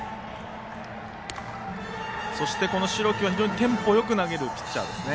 そして、この代木は非常にテンポよく投げるピッチャーですね。